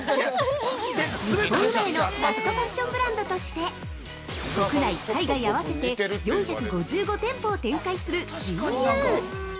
◆日本生まれのファストファッションブランドとして国内、海外合わせて４５５店舗を展開するＧＵ。